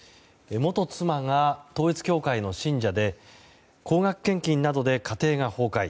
元妻が、統一教会の信者で高額献金などで家庭が崩壊。